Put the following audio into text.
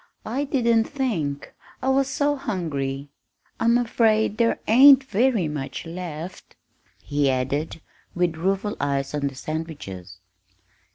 I didn't think I was so hungry. I'm afraid there ain't very much left," he added, with rueful eyes on the sandwiches.